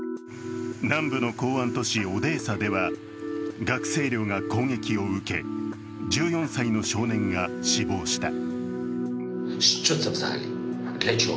南部の港湾都市オデーサでは学生寮が攻撃を受け１４歳の少年が死亡した。